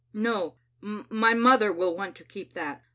No, my mother will want to keep that.